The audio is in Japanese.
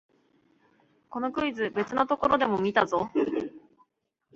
このクイズ、別のところでも見たぞ